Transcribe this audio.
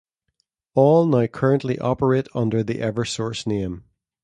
All now currently operate under the Eversource name.